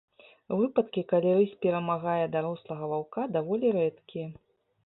Выпадкі, калі рысь перамагае дарослага ваўка, даволі рэдкія.